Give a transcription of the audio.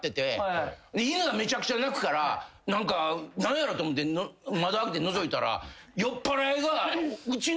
犬がめちゃくちゃ鳴くから何やろうと思って窓開けてのぞいたら。